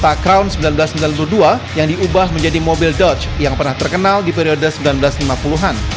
tacrown seribu sembilan ratus sembilan puluh dua yang diubah menjadi mobil dotch yang pernah terkenal di periode seribu sembilan ratus lima puluh an